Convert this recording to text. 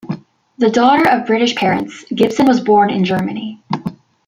The daughter of British parents, Gibson was born in Germany.